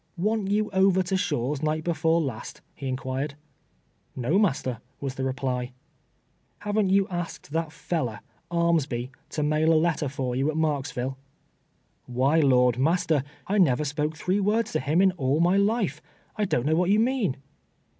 " Wan't you over to Shaw's night before last ?" he inquired. " No, master," was the reply. " Hav'nt you asked that fellow, Armsby, to mail a letter fn you at Marksville ?"" Why, Lord, master, I never spoke three words to him in all my life. I don't know what you mean."